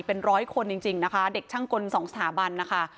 เป็นร้อยคนจริงนะคะเด็กช่างกลสองสถาบันนะคะ